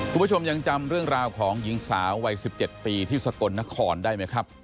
คุณผู้ชมยังจำเรื่องราวของหญิงสาววัย๑๗ปีที่สกลนครได้ไหมครับ